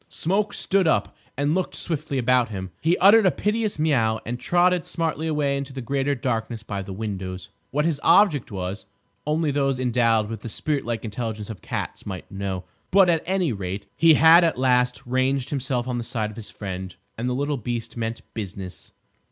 Smoke stood up and looked swiftly about him. He uttered a piteous meow and trotted smartly away into the greater darkness by the windows. What his object was only those endowed with the spirit like intelligence of cats might know. But, at any rate, he had at last ranged himself on the side of his friend. And the little beast meant business.